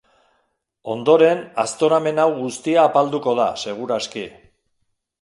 Ondoren, aztoramen hau guztia apalduko da, segur aski.